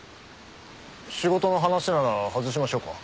仕事の話なら外しましょうか？